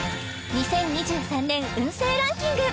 ２０２３年運勢ランキング